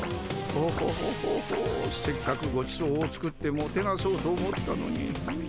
トホホホホせっかくごちそうを作ってもてなそうと思ったのに。